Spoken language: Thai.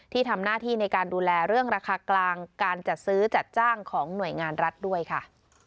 ที่ทำหน้าที่ในการดูแลเรื่องราคากลางการจัดซื้อจัดจ้างของหน่วยงานรัฐด้วยค่ะ